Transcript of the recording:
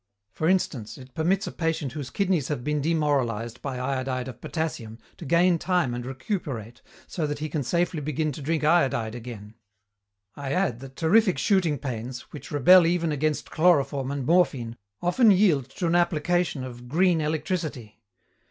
For instance, it permits a patient whose kidneys have been demoralized by iodide of potassium to gain time and recuperate so that he can safely begin to drink iodide again! "I add that terrific shooting pains, which rebel even against chloroform and morphine, often yield to an application of 'green electricity.'